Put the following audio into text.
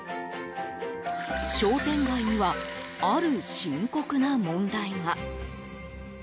商店街にはある深刻な問題が。